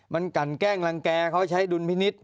มันกันแกล้งรังแก่เขาใช้ดุลพินิษฐ์